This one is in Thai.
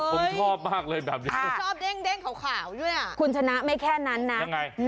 ผมชอบมากเลยแบบนี้